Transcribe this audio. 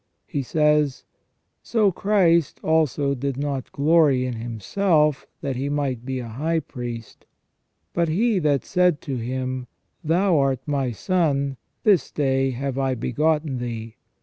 He says :" So Christ also did not glory in Himself that He might be a high priest : but He that said to Him : Thou art my Son, this day have I begotten Thee.